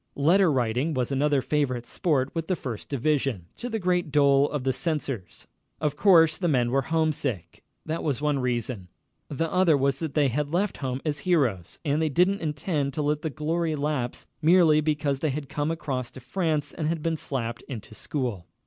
Letter writing was another favorite sport with the First Division, to the great dole of the censors. Of course the men were homesick. That was one reason. The other was that they had left home as heroes, and they didn't intend to let the glory lapse merely because they had come across to France and been slapped into school.